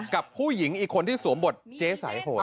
กับผู้หญิงอีกคนที่สวมบทเจ๊สายโหด